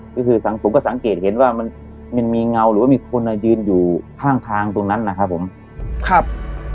ก็คือสังคมก็สังเกตเห็นว่ามันมันมีเงาหรือว่ามีคนอ่ะยืนอยู่ข้างทางตรงนั้นนะครับผมครับ